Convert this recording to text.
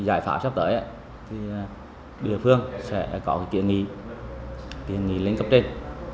giải pháp sắp tới thì địa phương sẽ có kỷ nghị lên cấp trên